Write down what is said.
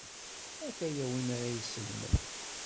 A-t-aya win ara y-isellmen.